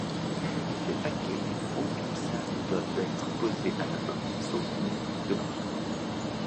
Les parquets enclipsables doivent être posés à la main, sans coups de marteau.